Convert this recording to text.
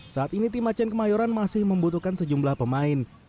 saat ini tim aceh kemayoran masih membutuhkan sejumlah pemain